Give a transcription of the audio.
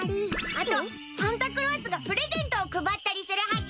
あとサンタクロースがプレゼントを配ったりするはぎ！